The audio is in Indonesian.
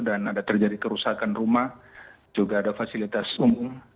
dan ada terjadi kerusakan rumah juga ada fasilitas umum